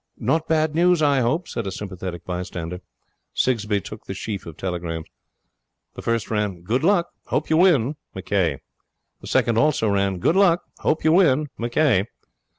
'Not bad news, I hope,' said a sympathetic bystander. Sigsbee took the sheaf of telegrams. The first ran: 'Good luck. Hope you win. McCay.' The second also ran: 'Good luck. Hope you win. McCay.'